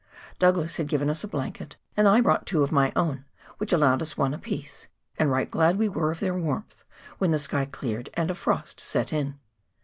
Douglas had given us a blanket, and I brought two of my own, which allowed us one apiece, and right glad we were of their warmth, when the sky cleared and frost set in.